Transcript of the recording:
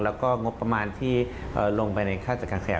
แล้วก็งบประมาณที่ลงไปในค่าจัดการขยะ